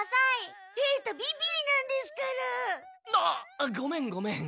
あっごめんごめん。